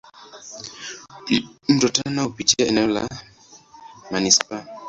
Mto Tana hupitia eneo la manispaa.